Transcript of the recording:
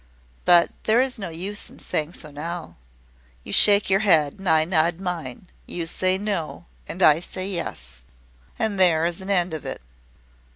But there is no use in saying so now. You shake your head, and I nod mine. You say, `No,' and I say, `Yes,' and there is an end of it."